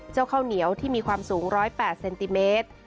ข้าวเหนียวที่มีความสูง๑๐๘เซนติเมตร